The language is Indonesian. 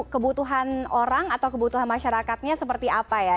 kebutuhan orang atau kebutuhan masyarakatnya seperti apa ya